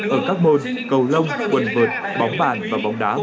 ở các môn cầu lông quần vợt bóng bàn và bóng đá